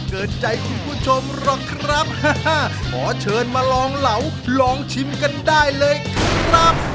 เกิดใจคุณผู้ชมหรอกครับขอเชิญมาลองเหลาลองชิมกันได้เลยครับ